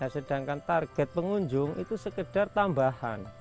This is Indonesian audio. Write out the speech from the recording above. sedangkan target pengunjung itu sekedar tambahan